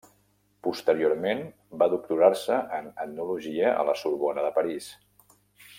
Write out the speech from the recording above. Posteriorment, va doctorar-se en etnologia a la Sorbona de París.